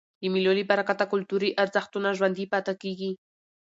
د مېلو له برکته کلتوري ارزښتونه ژوندي پاته کېږي.